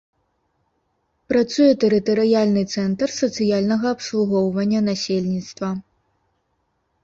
Працуе тэрытарыяльны цэнтр сацыяльнага абслугоўвання насельніцтва.